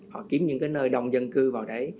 họ kiếm những cái nơi đông dân cư vào đấy